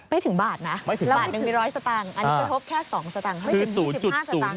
ไม่ถึงบาทนะละบาทนึงมี๑๐๐สตางค์อันนี้กระทบแค่๒สตางค์